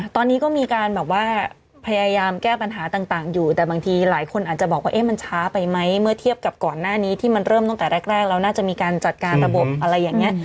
ตอนนี้ก็มีการแบบว่าพยายามแก้ปัญหาต่างอยู่แต่บางทีหลายคนอาจจะบอกว่าเอ๊ะมันช้าไปไหมเมื่อเทียบกับก่อนหน้านี้ที่มันเริ่มตั้งแต่แรกเราน่าจะมีการจัดการระบบอะไรอย่างนี้